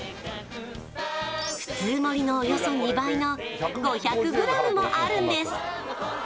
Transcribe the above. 普通盛りのおよそ２倍の５００ｇもあるんです！